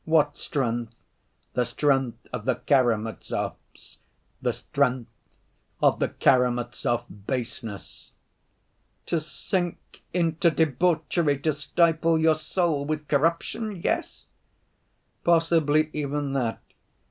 "What strength?" "The strength of the Karamazovs—the strength of the Karamazov baseness." "To sink into debauchery, to stifle your soul with corruption, yes?" "Possibly even that